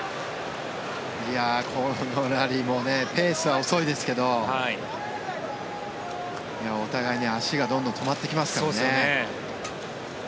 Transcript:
このラリーもペースは遅いですけどお互いに足がどんどん止まってきますからね。